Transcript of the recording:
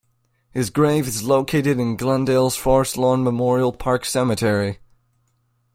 His grave is located in Glendale's Forest Lawn Memorial Park Cemetery.